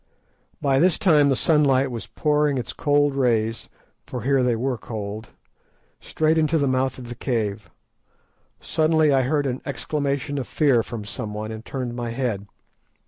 By this time the sunlight was pouring its cold rays, for here they were cold, straight into the mouth of the cave. Suddenly I heard an exclamation of fear from someone, and turned my head.